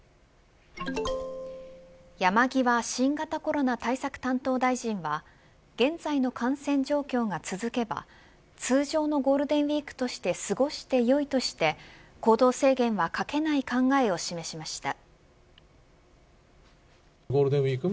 山際新型コロナ対策担当大臣は現在の感染状況が続けば通常のゴールデンウイークとして過ごしてよいとして行動制限はかけない考えを示しました。